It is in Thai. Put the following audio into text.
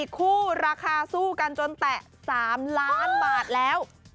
คู่ราคาสู้กันจนแตะ๓ล้านบาทแล้ว